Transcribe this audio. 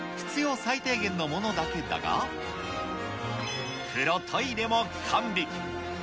最低限のものだけだが、風呂、トイレも完備。